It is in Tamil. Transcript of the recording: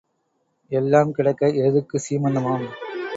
எல்லாம் கிடக்க எருதுக்குச் சீமந்தமாம்.